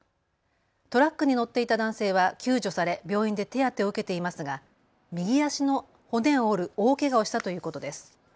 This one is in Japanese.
トラックに乗っていた男性は救助され病院で手当てを受けていますが右足の骨を折る大けがをしたということです。